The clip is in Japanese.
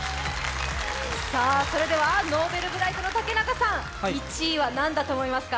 それでは、Ｎｏｖｅｌｂｒｉｇｈｔの竹中さん、１位はなんだと思いますか？